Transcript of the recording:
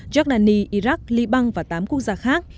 giardani iraq liban và tám quốc gia khác